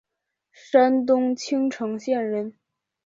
山东青城县人。